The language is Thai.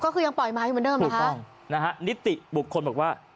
ก็คือยังปล่อยไม้อยู่เหมือนเดิมนะคะถูกต้องนะฮะนิติบุคคลบอกว่า